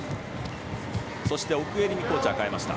そして奥襟にコーチャー変えました。